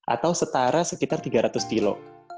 atau setara sekitar tiga ratus kilo